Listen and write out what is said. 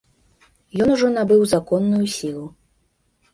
Ён ужо набыў законную сілу.